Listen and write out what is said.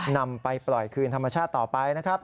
นำไปปล่อยคืนธรรมชาติต่อไปนะครับ